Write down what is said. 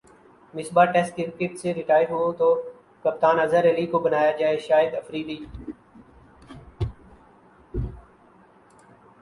Misbah test cricket سے retire ہو تو کپتان اظہر علی کو بنایا جائےشاہد افریدی